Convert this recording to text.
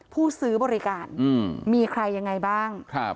ผู้ซื้อบริการอืมมีใครยังไงบ้างครับ